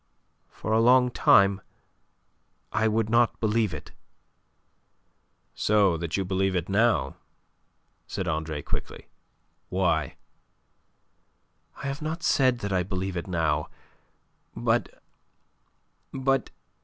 For a long time I would not believe it." "So that you believe it now," said Andre quickly. "Why?" "I have not said that I believe it now. But... but...